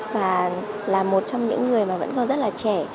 và là một trong những người mà vẫn còn rất là trẻ